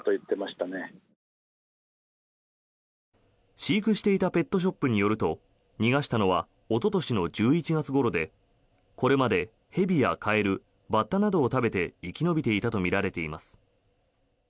飼育していたペットショップによると逃がしたのはおととしの１１月ごろでこれまで蛇やカエルバッタなどを食べて生き延びていたとみられています。